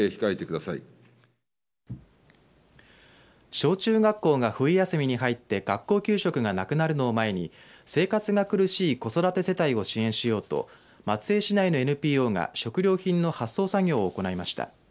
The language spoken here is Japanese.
小中学校が冬休みに入って学校給食がなくなるのを前に生活が苦しい子育て世帯を支援しようと松江市内のＮＰＯが食料品の発送作業を行いました。